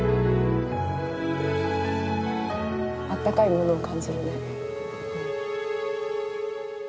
あったかいものを感じるね。